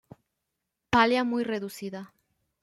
Pálea muy reducida.